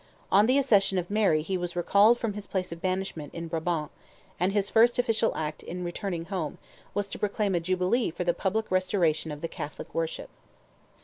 On the accession of Mary he was recalled from his place of banishment in Brabant, and his first official act on returning home was to proclaim a Jubilee for the public restoration of the Catholic worship.